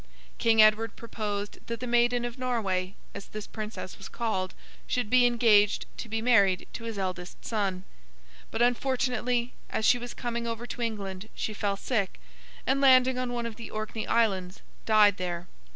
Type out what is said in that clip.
King Edward proposed, that the Maiden of Norway, as this Princess was called, should be engaged to be married to his eldest son; but, unfortunately, as she was coming over to England she fell sick, and landing on one of the Orkney Islands, died there.